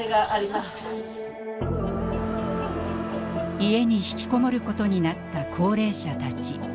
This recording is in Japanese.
家に引きこもることになった高齢者たち。